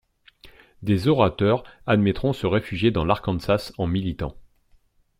Des orateurs admettront se réfugier dans l'Arkansas en militant.